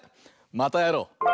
またやろう！